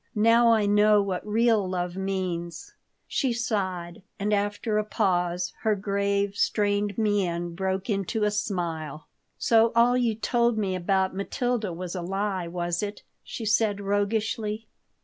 "Now I know what real love means." She sighed, and after a pause her grave, strained mien broke into a smile "So all you told me about Matilda was a lie, was it?" she said, roguishly.